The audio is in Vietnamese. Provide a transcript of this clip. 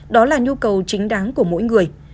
đó là nhu cầu chính đáng của mỗi người